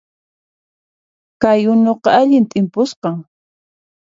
Kay unuqa allin t'impusqan